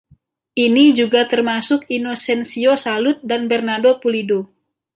Ini juga termasuk Inocencio Salud dan Bernado Pulido.